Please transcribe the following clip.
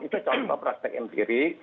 itu contoh praktek empirik